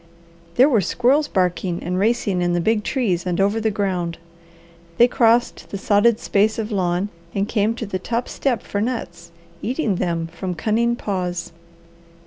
There were squirrels barking and racing in the big trees and over the ground. They crossed the sodded space of lawn and came to the top step for nuts, eating them from cunning paws.